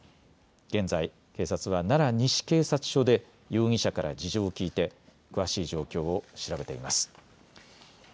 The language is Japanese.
現在、警察は奈良西警察署で容疑者から事情を聞いて詳しい状況を調べています。